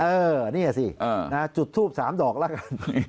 เอ่อนี่สิจุดทูปสามดอกละกัน